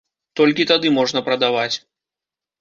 Толькі тады можна прадаваць.